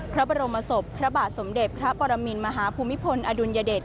พระบรมศพพระบาทสมเด็จพระปรมินมหาภูมิพลอดุลยเดช